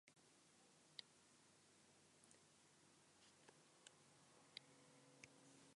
Besteren konturako langilea izatea.